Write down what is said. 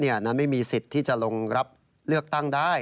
นั้นไม่มีสิทธิ์ที่จะลงรับเลือกตั้งได้